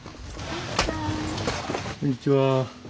こんにちは。